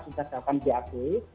sudah dapat diatur